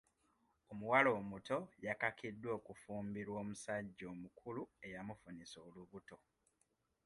Omuwala omuto yakakiddwa okufumbirwa omusajja omukulu eyamufunisa olubuto.